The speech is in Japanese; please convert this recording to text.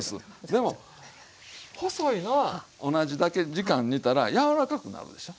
でも細いのは同じだけ時間煮たら柔らかくなるでしょ。